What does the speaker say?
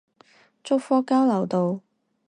竹科交流道